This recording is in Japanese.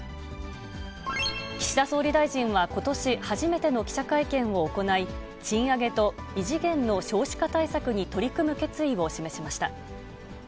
岸田総理大臣は、ことし初めての記者会見を行い、賃上げと異次元の少子化対策に取り組む決意を示しました。